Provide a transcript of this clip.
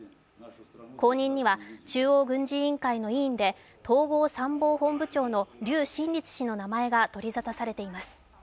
後任には中央軍事委員会の委員で統合参謀本部長の劉振立氏の名前が取り沙汰されています。